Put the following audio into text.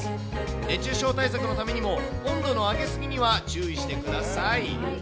熱中症対策のためにも、温度の上げ過ぎには注意してください。